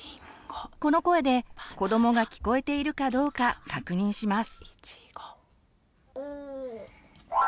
この声で子どもが聞こえているかどうか確認します。